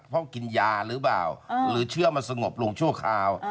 เพราะกินยาหรือเปล่าหรือเชื้อมันสงบลงชั่วคราว